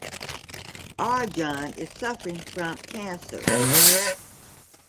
Arjun is suffering from cancer.